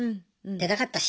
出たかったし。